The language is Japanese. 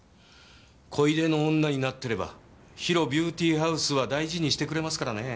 小出の女になっていればＨＩＲＯビューティーハウスは大事にしてくれますからね。